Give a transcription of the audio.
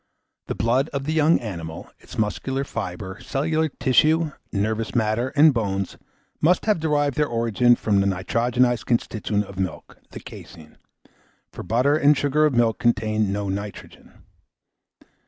The blood of the young animal, its muscular fibre, cellular tissue, nervous matter, and bones, must have derived their origin from the nitrogenised constituent of milk the caseine; for butter and sugar of milk contain no nitrogen.